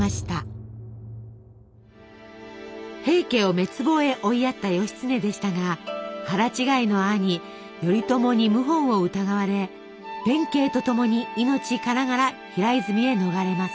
平家を滅亡へ追いやった義経でしたが腹違いの兄頼朝に謀反を疑われ弁慶と共に命からがら平泉へ逃れます。